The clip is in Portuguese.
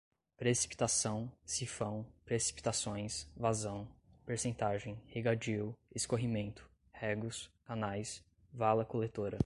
precipitação, sifão, precipitações, vazão, percentagem, regadio, escorrimento, regos, canais, vala coletora